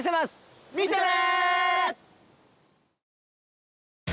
見てね！